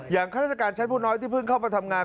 ข้าราชการชั้นผู้น้อยที่เพิ่งเข้ามาทำงาน